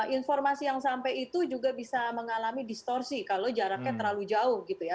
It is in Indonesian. informasi yang sampai itu juga bisa mengalami distorsi kalau jaraknya terlalu jauh gitu ya